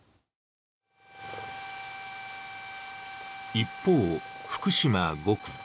一方、福島５区。